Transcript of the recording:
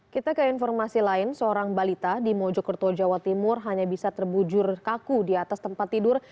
kita ke informasi lain seorang balita di mojokerto jawa timur hanya bisa terbujur kaku di atas tempat tidur